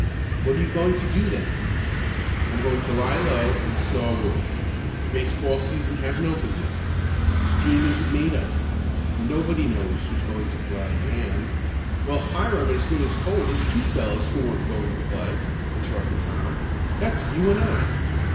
"What are you going to do then?" "I'm going to lie low and saw wood. The baseball season hasn't opened yet. The team isn't made up. Nobody knows who is going to play and " "Well, Hiram as good as told us two fellows who weren't going to play," interrupted Tom. "That's you and I."